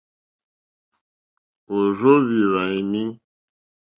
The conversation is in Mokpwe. Ò rzóhwì hwàèní.